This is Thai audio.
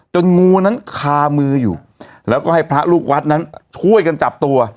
งูนั้นคามืออยู่แล้วก็ให้พระลูกวัดนั้นช่วยกันจับตัว